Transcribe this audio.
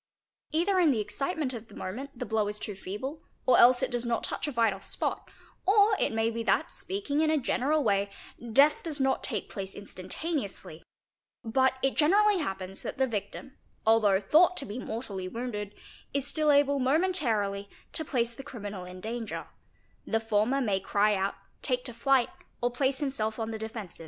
Hither in the excitement of the moment } i j 6 ,. re a kin i a ai a z) eel FINGERPRINTS IN BLOOD 581 the blow is too feeble, or else it does not touch a vital spot, or it may be that, speaking in a general way, death does not take place instanta neously, but it generally happens that the victim although thought to be mortally wounded is still able momentarily to place the criminal in _ danger; the former may cry out, take to flight, or place himself on the defensive.